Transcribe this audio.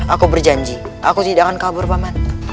aku berjanji aku tidak akan kabur paman